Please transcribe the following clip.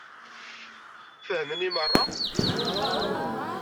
Fehmen i meṛṛa?